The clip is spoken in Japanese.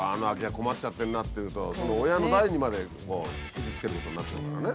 困っちゃってるなんていうとその親の代にまでけちつけることになっちゃうからね。